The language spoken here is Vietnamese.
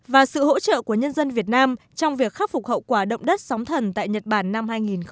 và sự hỗ trợ của nhân dân việt nam trong việc khắc phục hậu quả động đất sóng thần tại nhật bản năm hai nghìn một mươi tám